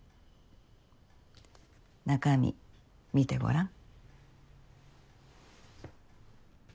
中身見てごらん。